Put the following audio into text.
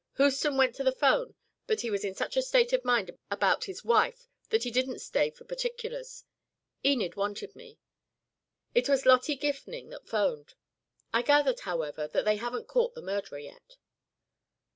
Houston went to the 'phone but he was in such a state of mind about his wife that he didn't stay for particulars. Enid wanted me it was Lottie Gifning that 'phoned. I gathered, however, that they haven't caught the murderer yet."